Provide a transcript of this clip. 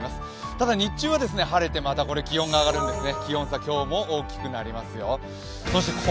ただ日中は晴れてまた気温が上がるんですね。